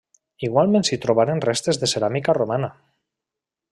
Igualment s'hi trobaren restes de ceràmica romana.